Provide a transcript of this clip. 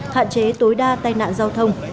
hạn chế tối đa tai nạn giao thông